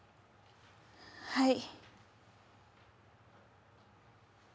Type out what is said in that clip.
はい。